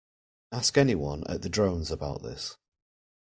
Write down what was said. Ask anyone at the Drones about this.